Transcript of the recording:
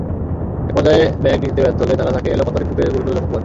একপর্যায়ে ব্যাগ নিতে ব্যর্থ হলে তারা তাঁকে এলোপাতাড়ি কুপিয়ে গুরুতর জখম করে।